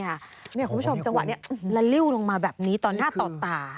คุณผู้ชมจังหวะนี้ละลิ้วลงมาแบบนี้ต่อหน้าต่อตา